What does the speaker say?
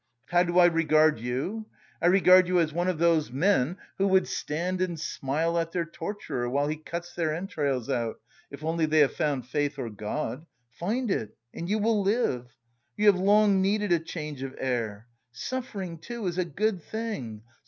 How do I regard you? I regard you as one of those men who would stand and smile at their torturer while he cuts their entrails out, if only they have found faith or God. Find it and you will live. You have long needed a change of air. Suffering, too, is a good thing.